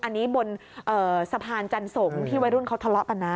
อันนี้บนสะพานจันสงฆ์ที่วัยรุ่นเขาทะเลาะกันนะ